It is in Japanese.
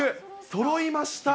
そろいました。